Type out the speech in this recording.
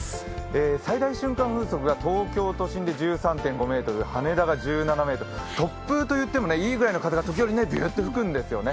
最大瞬間風速が東京都心で１３．５メートル、羽田が１７ｍ、突風といってもいいぐらいの風が時折びゅーっと吹くんですよね。